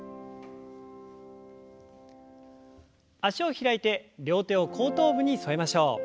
脚を開いて両手を後頭部に添えましょう。